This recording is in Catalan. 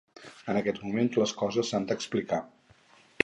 En aquests moments les coses s’han d’explicar.